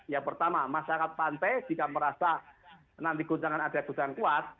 ya pertama masyarakat pantai jika merasa nanti guncangan ada guncangan kuat